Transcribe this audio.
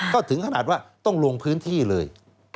ก็ถึงขนาดว่าต้องลงพื้นที่เลย